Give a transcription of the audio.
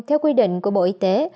theo quy định của bộ y tế